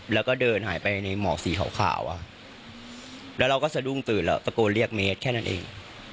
แล้วก็เดินหายไปในหมอกสีขาวแล้วเราก็สะดุ้งตื่นแล้วตะโกนเรียกเมตรแค่นั้นเอง